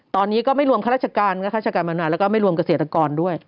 ตอนนี้ก็ไม่รวมข้าราชการมานานแล้วก็ไม่รวมเกษตรกรด้วย